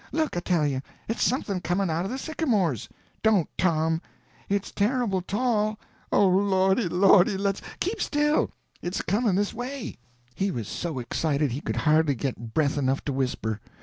"Look, I tell you. It's something coming out of the sycamores." "Don't, Tom!" "It's terrible tall!" "Oh, lordy lordy! let's—" "Keep still—it's a coming this way." He was so excited he could hardly get breath enough to whisper.